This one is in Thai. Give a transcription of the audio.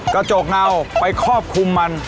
กระจกเงาไปครอบคลุมมัน